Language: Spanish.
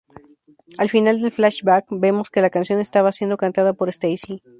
Al final del flashback, vemos que la canción estaba siendo cantada por Stacy.